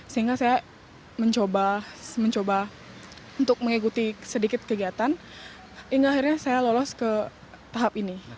sehingga saya mencoba untuk mengikuti sedikit kegiatan hingga akhirnya saya lolos ke tahap ini